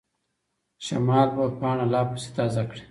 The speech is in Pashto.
شمال به پاڼه لا پسې تازه کړي.